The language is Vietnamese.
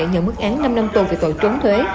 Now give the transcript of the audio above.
nhận mức án năm năm tù về tội trốn thuế